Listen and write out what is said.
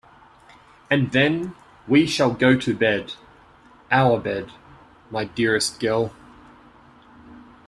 And then we shall go to bed, our bed, my dearest girl.